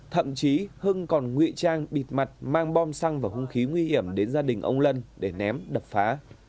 thậm chí hưng còn nguy trang bịt mặt mang bom xăng và hung khí nguy hiểm đến gia đình ông lân để ném đập phá